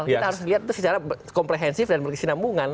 kita harus lihat itu secara komprehensif dan berkesinambungan